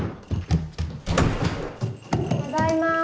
ただいま。